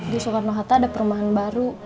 di soekarno hatta ada perumahan baru